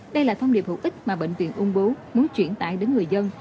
đây là thông điệp hữu ích mà bệnh viện ung bú muốn chuyển tải đến người dân